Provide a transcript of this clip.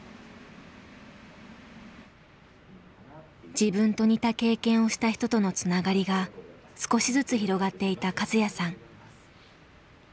自分と似た経験をした人とのつながりが少しずつ広がっていたカズヤさん。